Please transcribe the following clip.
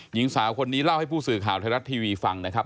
หญิงสาวคนนี้เล่าให้ผู้สื่อข่าวไทยรัฐทีวีฟังนะครับ